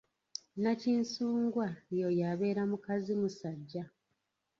Nakisungwa y'oyo abeera mukazimusajja.